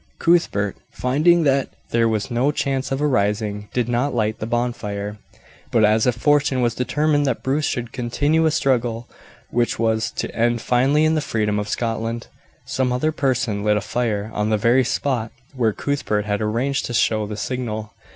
Cuthbert, finding that there was no chance of a rising, did not light the bonfire; but as if fortune was determined that Bruce should continue a struggle which was to end finally in the freedom of Scotland, some other person lit a fire on the very spot where Cuthbert had arranged to show the signal.